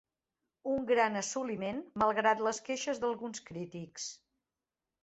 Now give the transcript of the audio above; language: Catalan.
Un gran assoliment, malgrat les queixes d'alguns crítics.